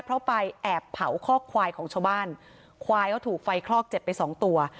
เพราะไปแอบเผาคอกควายของชาวบ้านควายเขาถูกไฟคลอกเจ็บไปสองตัว